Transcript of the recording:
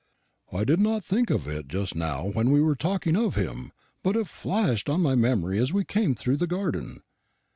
I did not think of it just now, when we were talking of him; but it flashed on my memory as we came through the garden.